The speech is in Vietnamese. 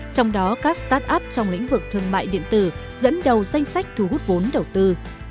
trong đó các start up trong lĩnh vực thương mại điện tử dẫn đầu danh sách thu hút vốn đầu tư